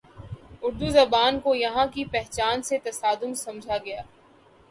اردو زبان کو یہاں کی پہچان سے متصادم سمجھا گیا